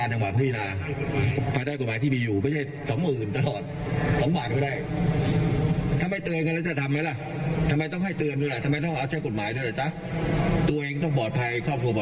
ส่วนผลเอกประยุทธ์จันโอชานายมันรีนะครับ